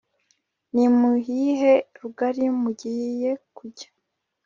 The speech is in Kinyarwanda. nimuyihe rugari mugiye kujya